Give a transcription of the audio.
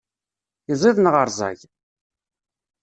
Iziḍ neɣ rẓag?